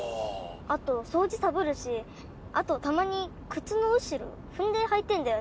あと掃除サボるしあとたまに靴の後ろ踏んではいてんだよね。